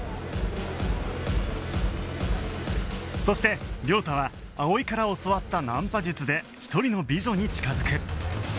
そして亮太は葵から教わったナンパ術で一人の美女に近づく